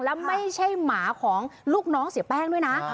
แล้วไม่ใช่หมาของลูกน้องเสียแป้งด้วยนะ